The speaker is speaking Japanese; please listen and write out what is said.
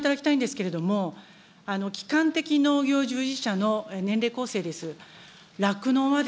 ちょっとこちら、ご覧いただきたいんですけれども、基幹的農業従事者の年齢構成です。